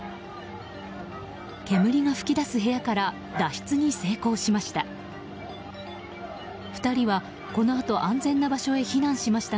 煙が噴き出す部屋から脱出に成功しました。